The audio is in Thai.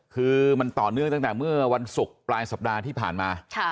คือมันต่อเนื่องตั้งแต่เมื่อวันศุกร์ปลายสัปดาห์ที่ผ่านมา